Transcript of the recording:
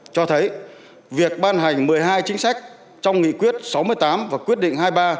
cho thấy việc ban hành một mươi hai chính sách trong nghị quyết sáu mươi tám và quyết định hai mươi ba